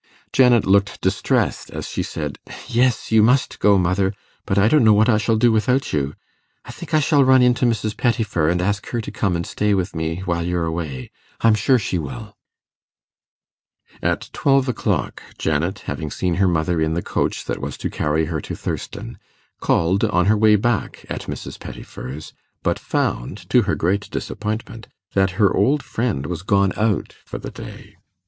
Janet looked distressed as she said, 'Yes, you must go, mother. But I don't know what I shall do without you. I think I shall run in to Mrs. Pettifer, and ask her to come and stay with me while you're away. I'm sure she will.' At twelve o'clock, Janet, having seen her mother in the coach that was to carry her to Thurston, called, on her way back, at Mrs. Pettifer's, but found, to her great disappointment, that her old friend was gone out for the day.